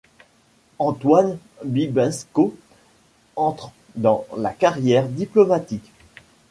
Antoine Bibesco entre dans la carrière diplomatique.